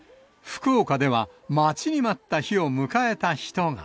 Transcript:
福岡では、待ちに待った日を迎えた人が。